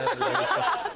ハハハ！